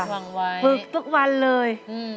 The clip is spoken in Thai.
ฝึกทุกวันเลย